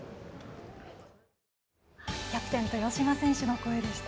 キャプテン豊島選手の声でした。